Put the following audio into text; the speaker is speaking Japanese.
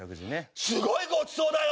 すごいごちそうだよ！